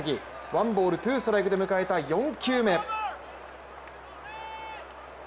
ワンボールツーストライクで迎えた４球目。